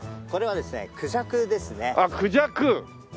これはですねクジャクですね。